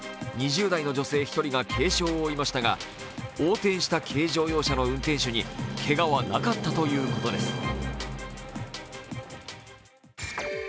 ２０代の女性１人が軽傷を負いましたが、横転した軽乗用車の運転手にけがはなかったということです。